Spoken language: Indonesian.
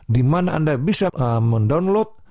dimana anda bisa mendownload